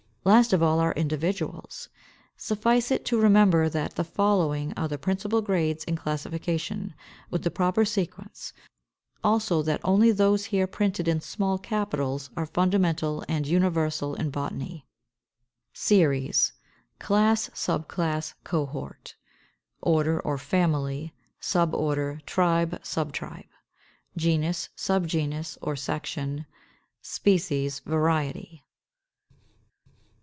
Last of all are Individuals. Suffice it to remember that the following are the principal grades in classification, with the proper sequence; also that only those here printed in small capitals are fundamental and universal in botany: SERIES, CLASS, Subclass, Cohort, ORDER, or FAMILY, Suborder, Tribe, Subtribe, GENUS, Subgenus or Section, SPECIES, Variety.